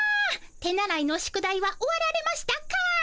手習いの宿題は終わられましたか？